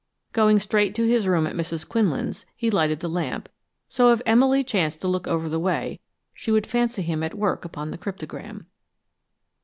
Going straight to his room at Mrs. Quinlan's, he lighted the lamp, so that if Emily chanced to look over the way, she would fancy him at work upon the cryptogram.